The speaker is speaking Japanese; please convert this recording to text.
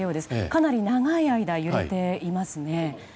かなり長い間、揺れていますね。